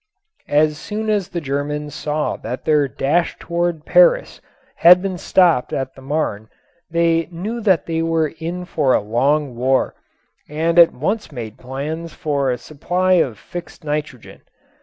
As soon as the Germans saw that their dash toward Paris had been stopped at the Marne they knew that they were in for a long war and at once made plans for a supply of fixed nitrogen.